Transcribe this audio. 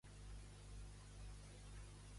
Quin era l'objectiu de l'estoa?